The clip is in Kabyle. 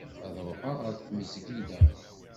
Ad ruḥeɣ ɣer tmezgida.